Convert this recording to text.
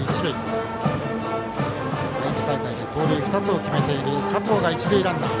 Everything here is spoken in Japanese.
愛知大会で盗塁２つを決めている加藤が一塁ランナー。